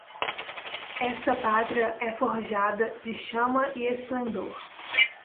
Essa pátria é forjada de chama e esplendor